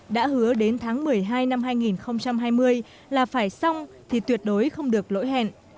đã hứa đến tháng một mươi hai năm hai nghìn hai mươi là phải xong thì tuyệt đối không được lỗi hẹn